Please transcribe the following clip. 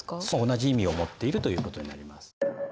そう同じ意味を持っているということになります。